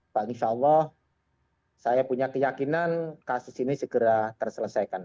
bang insya allah saya punya keyakinan kasus ini segera terselesaikan